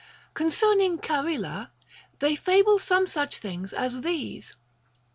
Concerning Charila, they fable some such things as these.